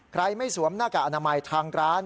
ไม่สวมหน้ากากอนามัยทางร้าน